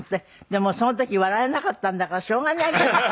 でもその時笑えなかったんだからしょうがないじゃない。